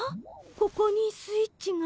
ここにスイッチが。